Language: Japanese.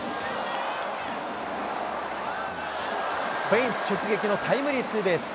フェンス直撃のタイムリーツーベース。